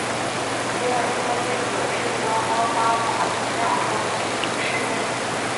席尔特贝格是德国巴伐利亚州的一个市镇。